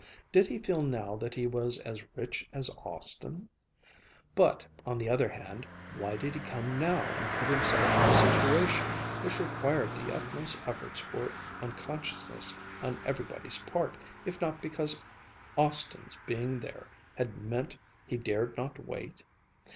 Did he feel now that he was as rich as Austin ...? But, on the other hand, why did he come now and put himself in a situation which required the utmost efforts for unconsciousness on everybody's part if not because Austin's being there had meant he dared not wait?